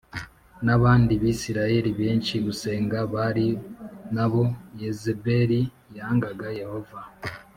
n abandi Bisirayeli benshi gusenga Baali na bo Yezebeli yangaga Yehova